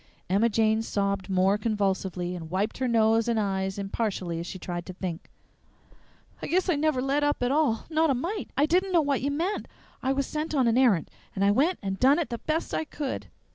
Emma Jane sobbed more convulsively, and wiped her nose and eyes impartially as she tried to think. "I guess I never led up at all; not a mite. I didn't know what you meant. I was sent on an errant, and I went and done it the best I could!